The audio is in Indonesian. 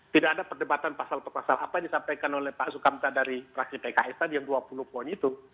tidak ada perdebatan pasal per pasal apa yang disampaikan oleh pak sukamta dari fraksi pks tadi yang dua puluh poin itu